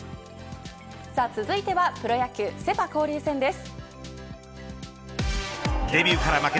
さあ、続いてはプロ野球セ・パ交流戦です。